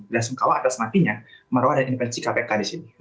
belasungkawa adalah semakinya maruah dan inovasi kpk disini